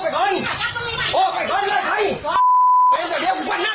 ดองคงมาชเลย